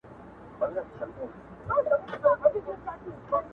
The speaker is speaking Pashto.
زما زړه دې د مينې د عظمت په ګناه تور وي